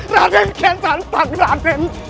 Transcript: raden kaya santai raden